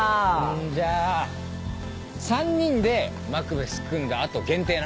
んじゃあ３人でマクベス組んだ後限定な。